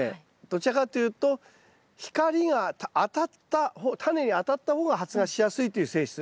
どちらかというと光が当たったタネに当たった方が発芽しやすいという性質。